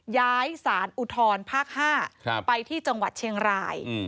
ย้ายสารอุทธรภาค๕ไปที่จังหวัดเชียงราย